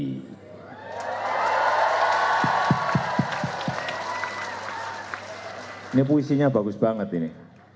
ini puisinya bagus banget ini